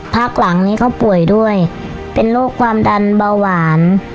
พักหลังนี้เขาป่วยด้วยเป็นโรคความดันเบาหวาน